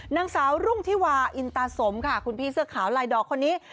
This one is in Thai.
นางสาวรุ่งธิวาอินตาสมค่ะคุณพี่เสื้อขาวลายดอกคนนี้